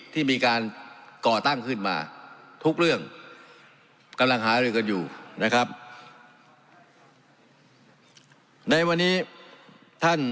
ท่านบอกว่า